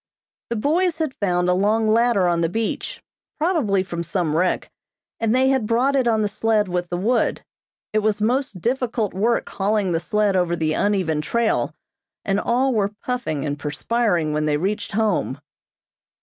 The boys had found a long ladder on the beach, probably from some wreck, and they had brought it on the sled with the wood. It was most difficult work hauling the sled over the uneven trail, and all were puffing and perspiring when they reached home.